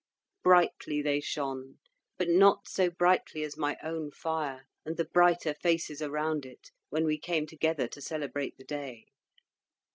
Brightly they shone, but not so brightly as my own fire, and the brighter faces around it, when we came together to celebrate the day.